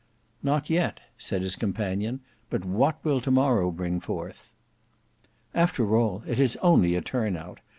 "Not yet," said his companion; "but what will to morrow bring forth?" "After all it is only a turn out.